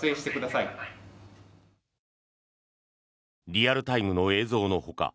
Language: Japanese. リアルタイムの映像のほか